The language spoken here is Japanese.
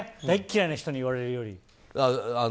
大嫌いな人に言われるよりね。